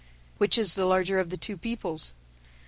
"Which is the larger of the two peoples?"